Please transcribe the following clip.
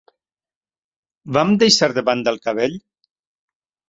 Vam deixar de banda el cabell?